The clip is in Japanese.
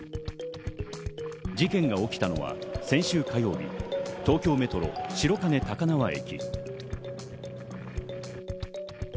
事件が起きたのは先週火曜日、東京メトロ・白金高輪駅。